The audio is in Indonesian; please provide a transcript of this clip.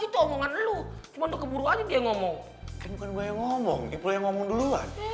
itu omongan lu cuman keburu aja dia ngomong ngomong dulu